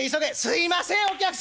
「すいませんお客様。